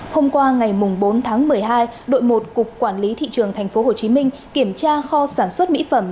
hôm qua ngày bốn tháng một mươi hai đội một cục quản lý thị trường tp hcm kiểm tra kho sản xuất mỹ phẩm